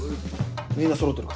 みんなそろってるか？